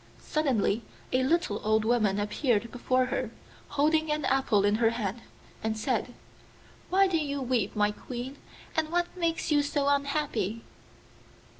Suddenly a little old woman appeared before her, holding an apple in her hand, and said, 'Why do you weep, my Queen, and what makes you so unhappy?